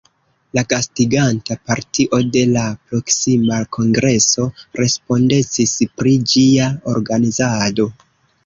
La gastiganta partio de la proksima kongreso respondecis pri ĝia organizado.